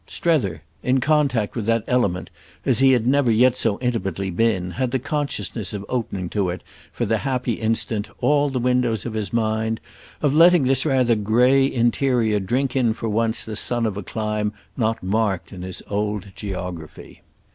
Strether, in contact with that element as he had never yet so intimately been, had the consciousness of opening to it, for the happy instant, all the windows of his mind, of letting this rather grey interior drink in for once the sun of a clime not marked in his old geography.